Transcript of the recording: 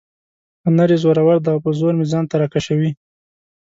هنر یې زورور دی او په زور مې ځان ته را کشوي.